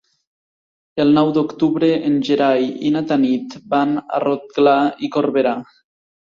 El nou d'octubre en Gerai i na Tanit van a Rotglà i Corberà.